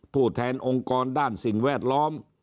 ผู้แทนองค์กรด้านสิ่งแวดล้อม